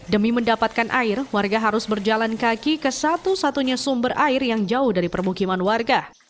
demi mendapatkan air warga harus berjalan kaki ke satu satunya sumber air yang jauh dari permukiman warga